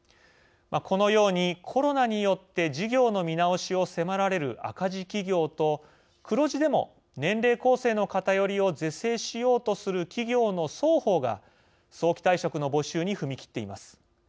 このように、コロナによって事業の見直しを迫られる赤字企業と黒字でも年齢構成の偏りを是正しようとする企業の双方が早期退職の募集に踏み切っています。